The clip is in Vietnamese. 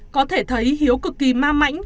có thể thấy hiếu cực kỳ ma mảnh